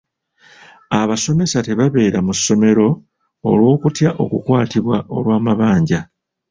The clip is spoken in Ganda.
Abasomesa tebabeera mu ssomero olw'okutya okukwatibwa olw'amabanja.